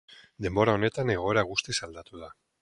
Denbora honetan egoera guztiz aldatu da.